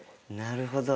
なるほど。